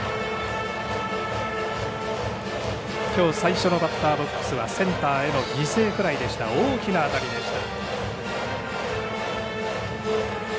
きょう最初のバッターボックスはセンターへの犠牲フライでした大きな当たりでした。